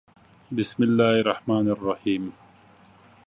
《بِسْمِ اللَّـهِ الرَّحْمَـٰنِ الرَّحِيمِ》